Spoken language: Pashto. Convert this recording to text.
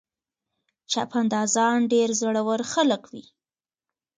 چاپندازان ډېر زړور خلک وي.